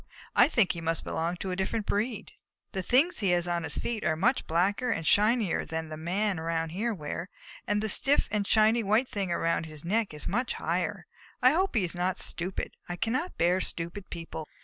I think he must belong to a different breed. The things he has on his feet are much blacker and shinier than the Men around here wear, and that stiff and shiny white thing around his neck is much higher. I hope he is not stupid. I cannot bear stupid people."